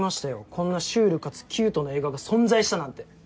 こんなシュールかつキュートな映画が存在したなんて。